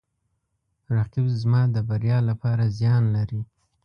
رقیب زما د بریا لپاره زیان لري